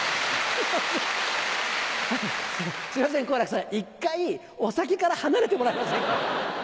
すいません好楽さん一回お酒から離れてもらえませんか？